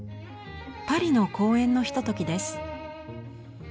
パリの公園のひとときです。